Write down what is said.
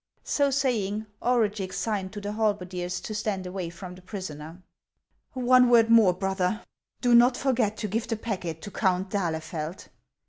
So saying, Orugix signed to the halberdiers to stand away from the prisoner. " One word more, brother ; do not forget to give the packet to Count d'Ahlefeld."